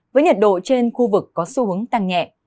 với nhiệt độ trên khu vực có xu hướng tăng nhẹ